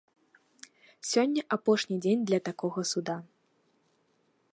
Сёння апошні дзень для такога суда.